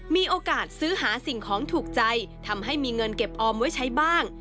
มีโอกาสซื้อหาสิ่งของถูกใจทำให้มีเงินเก็บออมไว้ใช้บ้าง